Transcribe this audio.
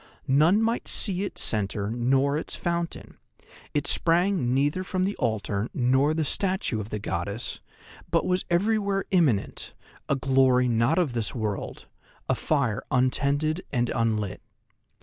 None might see its centre nor its fountain; it sprang neither from the altar nor the statue of the goddess, but was everywhere imminent, a glory not of this world, a fire untended and unlit.